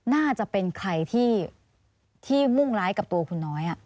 น่าจะเป็นใครที่มุ่งร้ายกับตัวคุณน้อย